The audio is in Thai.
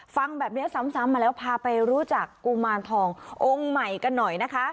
ฟังแบบนี้ซ้ำมาแล้วพาไปรู้จักกุมารทององค์ใหม่กันหน่อยนะคะ